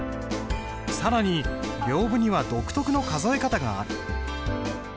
更に屏風には独特の数え方がある。